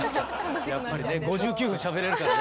やっぱりね５９分しゃべれるからね。